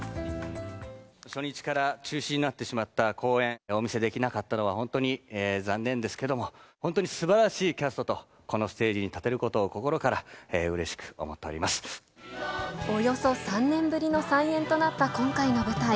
初日から中止になってしまった公演、お見せできなかったのは本当に残念ですけども、本当にすばらしいキャストとこのステージに立てることを心からうれしく思およそ３年ぶりの再演となった今回の舞台。